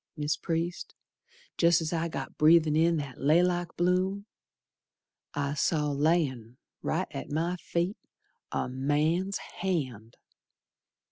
Mis' Priest, jest's I got breathin' in that laylock bloom I saw, layin' right at my feet, A man's hand!